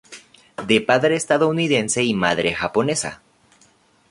De padre estadounidense y madre japonesa.